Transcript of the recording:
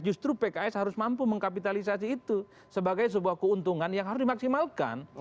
justru pks harus mampu mengkapitalisasi itu sebagai sebuah keuntungan yang harus dimaksimalkan